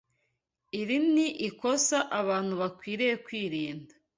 Iri ni ikosa abantu bakwiriye kwirinda